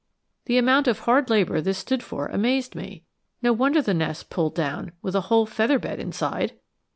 The amount of hard labor this stood for amazed me. No wonder the nest pulled down, with a whole feather bed inside!